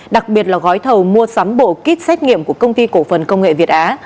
đặc biệt là gói thầu mua sắm bộ kit xét nghiệm của công ty cổ phần công nghệ việt á